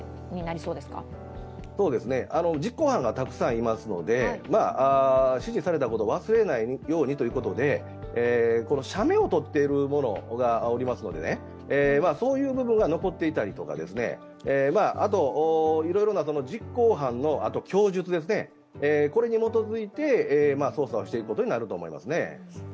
そうですね、実行犯がたくさんいますので指示されたことを忘れないようにということでこの写メを撮っているものがおりますのでそういう部分が残っていたりとか、あと、いろいろな実行犯の供述ですね、これに基づいて捜査をしていくことになると思いますね。